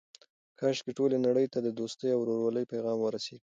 کاشکې ټولې نړۍ ته د دوستۍ او ورورولۍ پیغام ورسیږي.